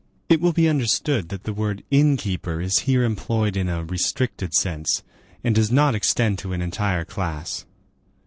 It will be understood that the word inn keeper is here employed in a restricted sense, and does not extend to an entire class.